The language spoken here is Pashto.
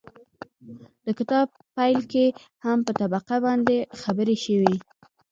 د کتاب پيل کې هم په طبقه باندې خبرې شوي دي